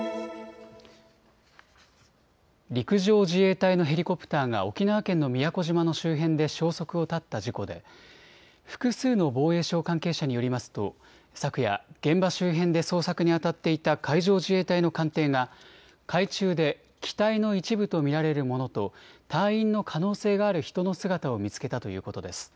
陸上自衛隊のヘリコプターが沖縄県の宮古島の周辺で消息を絶った事故で複数の防衛省関係者によりますと昨夜、現場周辺で捜索にあたっていた海上自衛隊の艦艇が海中で機体の一部と見られるものと隊員の可能性がある人の姿を見つけたということです。